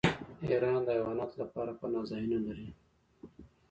ایران د حیواناتو لپاره پناه ځایونه لري.